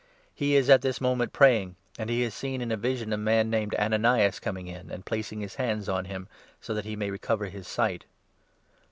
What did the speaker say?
He is at this moment praying, and he has seen, in a vision, a man 12 named Ananias coming in and placing his hands on him, so that he may recover his sight."